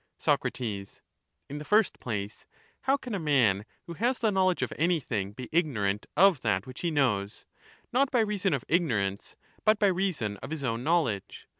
^^^* ^<>r Soc, In the first place, how can a man who has the know take it for ledge of anything be ignorant of that which he knows, not ignorance? by reason of ignorance, but by reason of his own knowledge